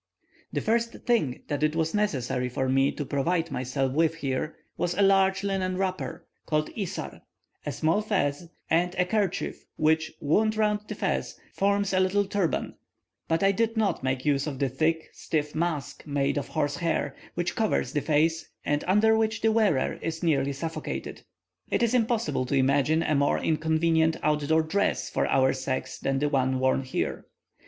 The first thing that it was necessary for me to provide myself with here, was a large linen wrapper, called isar, a small fez, and a kerchief, which, wound round the fez, forms a little turban; but I did not make use of the thick, stiff mask, made of horse hair, which covers the face, and under which the wearer is nearly suffocated. It is impossible to imagine a more inconvenient out door dress for our sex than the one worn here.